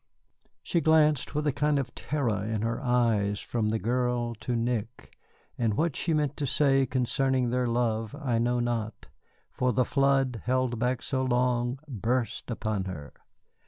She glanced with a kind of terror in her eyes from the girl to Nick, and what she meant to say concerning their love I know not, for the flood, held back so long, burst upon her.